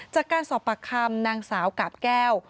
จากการสอบปากคำนางสาวกาบแก้ว